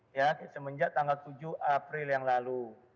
ya semenjak tanggal tujuh april yang lalu